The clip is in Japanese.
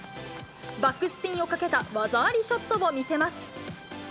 バックスピンをかけた技ありショットを見せます。